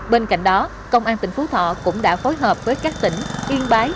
bên cạnh đó công an tỉnh phú thọ cũng đã phối hợp với các tỉnh yên bái